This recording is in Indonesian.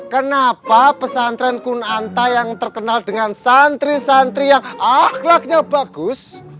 kenapa pesantren kunanta yang terkenal dengan santri santri yang akhlaknya bagus